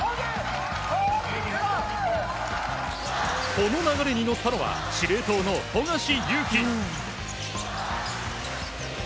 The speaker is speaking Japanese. この流れに乗ったのは司令塔の富樫勇樹。